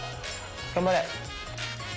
頑張れ！